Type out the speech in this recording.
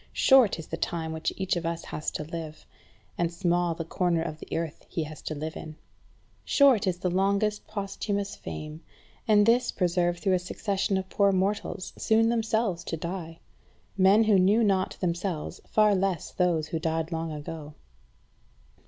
Short is the time which each of us has to live, and small the corner of the earth he has to live in. Short is the longest posthumous fame, and this preserved through a succession of poor mortals, soon themselves to die; men who knew not themselves, far less those who died long ago.